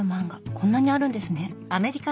こんなにあるんですね。